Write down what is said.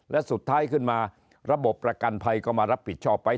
และสุดท้ายขึ้นมาระบบประกันภัยก็มารับผิดชอบไป